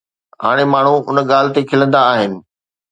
هاڻي ماڻهو ان ڳالهه تي کلندا آهن.